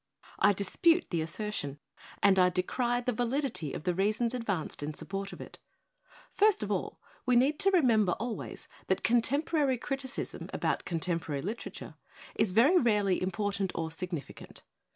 I dispute the assertion, and I decry the validity of the reasons advanced in support of it. First of all we need to remember always that contemporary criticism about contemporary lit erature is very rarely important or significant.